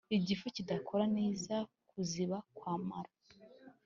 Igifu kidakora neza kuziba kwamara